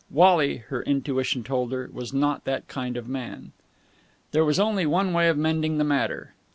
Wally, her intuition told her, was not that kind of man. There was only one way of mending the matter.